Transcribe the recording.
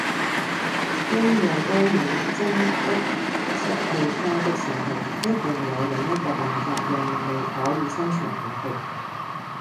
因為當你真得失去它的時候，一定有另一個辦法讓你可以生存下去